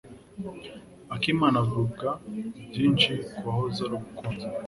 Akimana avuga byinshi ku wahoze ari umukunzi we.